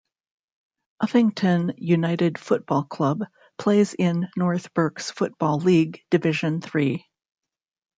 Uffington United Football Club plays in North Berks Football League Division Three.